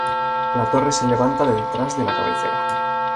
La torre se levanta detrás de la cabecera.